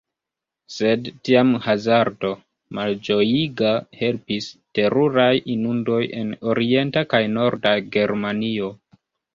Sed tiam hazardo, malĝojiga, helpis: teruraj inundoj en orienta kaj norda Germanio.